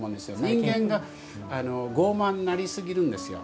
人間が傲慢になりすぎるんですよ。